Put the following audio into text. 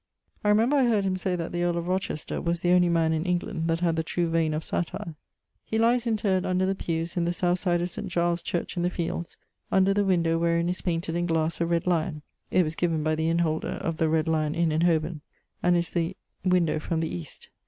I remember I heard him say that the earle of Rochester was the only man in England that had the true veine of satyre. He lies interred under the pewes in the south side of Saint Giles' church in the fields, under the window wherein is painted in glasse a red lyon, (it was given by the inneholder of the Red Lyon Inne in Holborne) and is the ... window from the east.